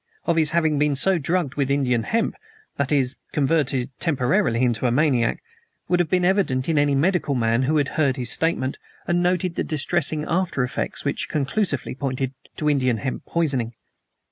Of his having been so drugged with Indian hemp that is, converted temporarily into a maniac would have been evident to any medical man who had heard his statement and noted the distressing after effects which conclusively pointed to Indian hemp poisoning.